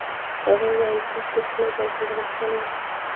هغې وویل: سویس ډېر ښکلی ځای دی، هلته به خوشحاله واوسو.